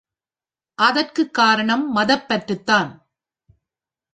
அதற்குக் காரணம் மதப்பற்றுதான்.